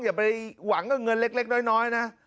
อย่าไปหวังกับเงินเล็กน้อยนะ